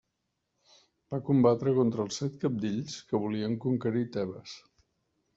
Va combatre contra els set Cabdills que volien conquerir Tebes.